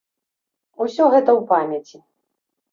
Усё гэта ў памяці.